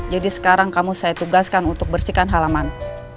jadi sekarang kamu saya tugaskan untuk bersihkan halaman